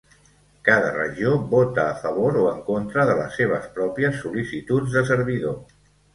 Cada regió vota a favor o en contra de les seves pròpies sol·licituds de servidor.